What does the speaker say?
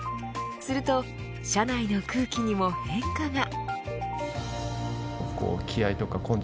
すると社内の空気にも変化が。